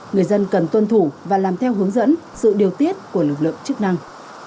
người dân cần tuân thủ và làm theo hướng dẫn sự điều tiết của lực lượng chức năng